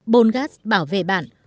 bồn gát bảo vệ bạn